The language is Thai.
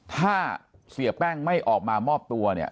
ถ้าเสียแป้งไม่ออกมามอบตัวเนี่ย